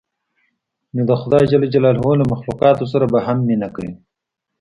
نو د خداى له مخلوقاتو سره به هم مينه کا.